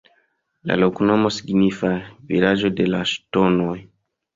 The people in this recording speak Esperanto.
La loknomo signifas: "Vilaĝo de la Ŝtonoj".